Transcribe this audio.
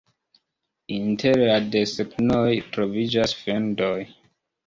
Inter la desegnoj troviĝas fendoj.